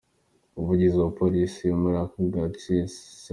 Umuvugizi wa polisi muri ako gace Sgt.